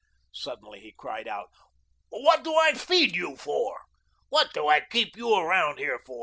Suddenly he cried out, "What do I FEED you for? What do I keep you around here for?